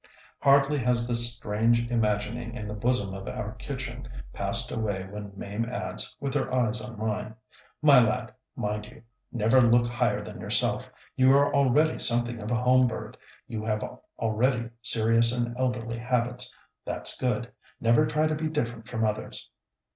Hardly has this strange imagining in the bosom of our kitchen passed away when Mame adds, with her eyes on mine, "My lad, mind you, never look higher than yourself. You are already something of a home bird; you have already serious and elderly habits. That's good. Never try to be different from others."